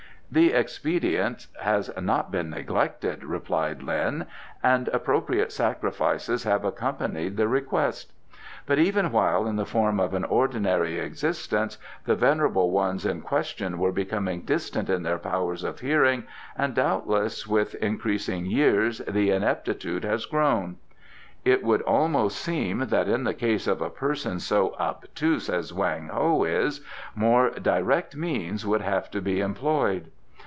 "The expedient has not been neglected," replied Lin, "and appropriate sacrifices have accompanied the request. But even while in the form of an ordinary existence the venerable ones in question were becoming distant in their powers of hearing, and doubtless with increasing years the ineptitude has grown. It would almost seem that in the case of a person so obtuse as Wang Ho is, more direct means would have to be employed."